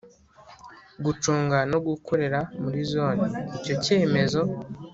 Gucunga no gukorera muri zone icyo cyemezo